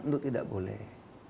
tapi tidak boleh